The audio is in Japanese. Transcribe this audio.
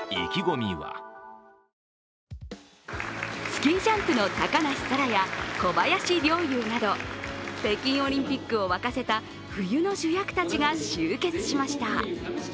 スキージャンプの高梨沙羅や小林陵侑など北京オリンピックを沸かせた冬の主役たちが集結しました。